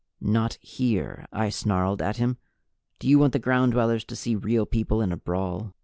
"Not here!" I snarled at him. "Do you want the Ground Dwellers to see Real People in a brawl?"